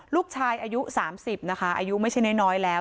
ลูกชายอายุสามสิบนะคะอายุไม่ใช่น้อยน้อยแล้ว